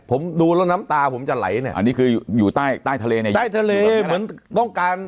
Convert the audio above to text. ผมดูแล้วน้ำตาผมจะไหลเนี่ยอันนี้คืออยู่ใต้ใต้ทะเลเนี่ยอยู่ใต้ทะเลเหมือนต้องการ